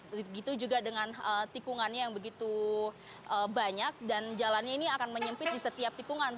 begitu juga dengan tikungannya yang begitu banyak dan jalannya ini akan menyempit di setiap tikungan